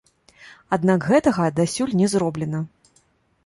Аднак гэтага дасюль не зроблена.